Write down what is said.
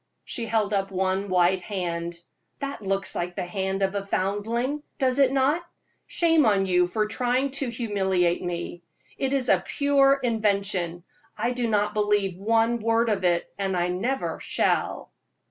She held up one white hand. "That looks like the hand of a foundling, does it not? Shame on you for trying to humiliate me! It is a pure invention. I do not believe one word of it, and I never shall."